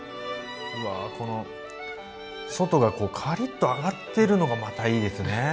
この外がカリッと揚がってるのがまたいいですね。